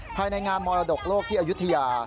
ภายในงานมรดกโลกที่อายุทยา